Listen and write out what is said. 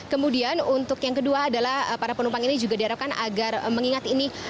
kemudian untuk yang kedua adalah para penumpang ini juga diharapkan agar mengingat ini